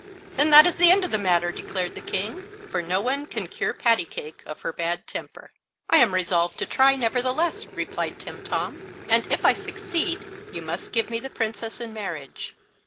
"Then that is the end of the matter," declared the King, "for no one can cure Pattycake of her bad temper." "I am resolved to try, nevertheless," replied Timtom, "and, if I succeed, you must give me the Princess in marriage."